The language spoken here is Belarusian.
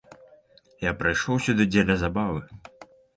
Я прыйшоў сюды дзеля забавы.